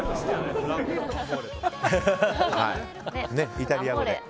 イタリア語で。